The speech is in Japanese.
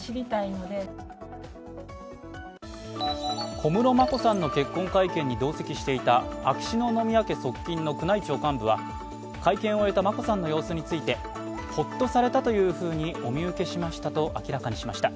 小室眞子さんの結婚会見に同席していた秋篠宮家側近の宮内庁幹部は、会見を終えた眞子さんの様子について、ホッとされたというふうにお見受けしましたと明らかにしました。